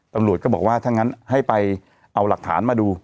ตำรวจก็บอกว่าถ้างั้นให้ไปเอาหลักฐานมาดู